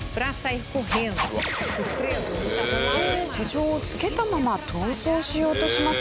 手錠をつけたまま逃走しようとします。